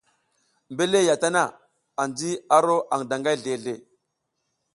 Mbela ya tana, anji a ro aƞ daƞgay zleʼzle.